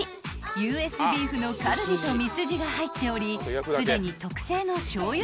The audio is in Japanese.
［ＵＳビーフのカルビとミスジが入っておりすでに特製のしょうゆ